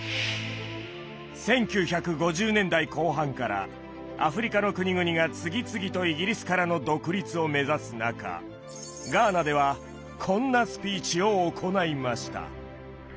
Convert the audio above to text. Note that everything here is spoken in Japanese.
１９５０年代後半からアフリカの国々が次々とイギリスからの独立を目指す中ガーナではこんなスピーチを行いました。